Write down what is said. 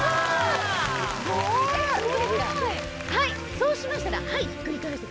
そうしましたらひっくり返してください。